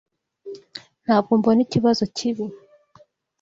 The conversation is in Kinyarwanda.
Ntabwo mbona ikibazo cyibi.